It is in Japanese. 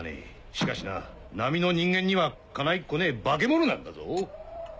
しかしな並の人間にはかないっこねえ化け物なんだぞ！